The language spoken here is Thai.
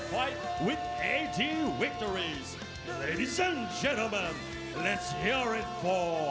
คุณผู้หญิงคุณผู้หญิง